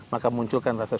maka munculkan rasa syukur